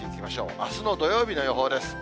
あすの土曜日の予報です。